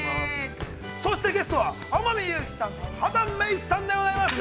そしてゲストは天海祐希さんと畑芽育さんでございます。